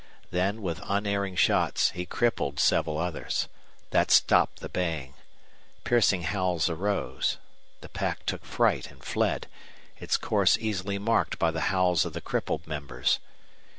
Then, with unerring shots, he crippled several others. That stopped the baying. Piercing howls arose. The pack took fright and fled, its course easily marked by the howls of the crippled members.